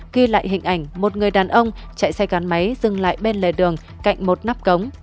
ghi lại hình ảnh một người đàn ông chạy xe gắn máy dừng lại bên lề đường cạnh một nắp cống